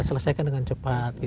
diselesaikan dengan cepat